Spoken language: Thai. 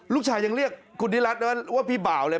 ลูกชายยังเรียกคุณนิรัติว่าพี่บ่าวเลย